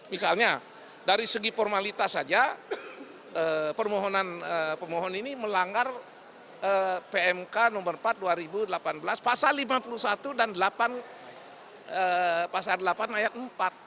misalnya dari segi formalitas saja permohonan pemohon ini melanggar pmk no empat dua ribu delapan belas pasal lima puluh satu dan delapan pasal delapan ayat empat